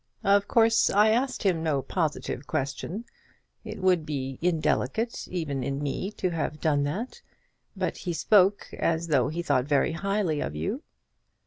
"Of course I asked him no positive question. It would be indelicate even in me to have done that. But he spoke as though he thought very highly of you."